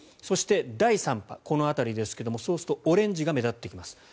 そして、第３波この辺りですがオレンジが目立ってきます。